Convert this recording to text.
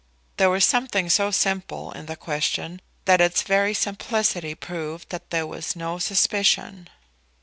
There was something so simple in the question that its very simplicity proved that there was no suspicion.